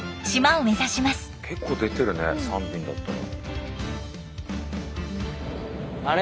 結構出てるね３便だったら。